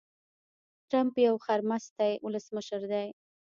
ټرمپ يو خرمستی ولسمشر دي.